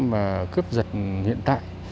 và cướp dập hiện tại